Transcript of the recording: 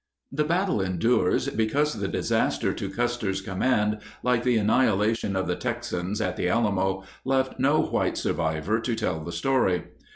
The battle endures because the disaster to Custer's command, like the annihilation of the Texans at the Alamo, left no white survivor to tell the story.